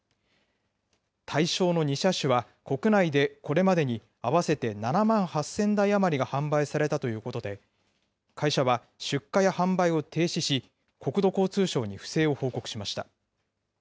対象の２車種は、国内でこれまでに合わせて７万８０００台余りが販売されたということで、会社は出荷や販売を停止し、国土交通省に不正を報告しました。